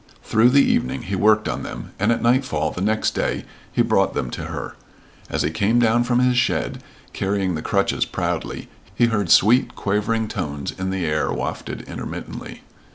Through the evening he worked on them, and at nightfall the next day he brought them to her. As he came down from his shed, carrying the crutches proudly, he heard sweet, quavering tones in the air wafted intermittently.